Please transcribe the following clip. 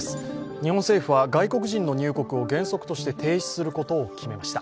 日本政府は外国人の入国を原則として停止することを決めました。